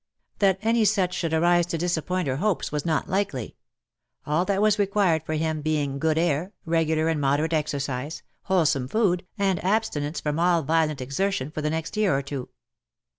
That any such should arise to disappoint her hopes was not likely ; all that was re quired for him being good air, regular and moderate exercise, whole some food, and abstinence from all violent exertion for the next year or two.